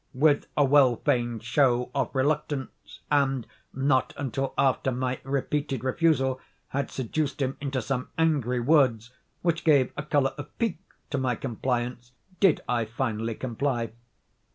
With a well feigned show of reluctance, and not until after my repeated refusal had seduced him into some angry words which gave a color of pique to my compliance, did I finally comply.